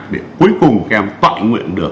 để cuối cùng các em tọa nguyện được